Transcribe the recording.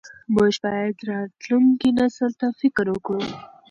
موږ باید راتلونکي نسل ته فکر وکړو.